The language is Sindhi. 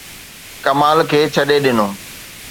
ڪمال کي ڇڏي ڏنو.